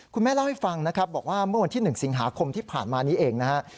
คุณแม่เล่าให้ฟังนะครับบอกว่าเมื่อวันที่๑สิงหาคมที่ผ่านมานี้เองนะฮะ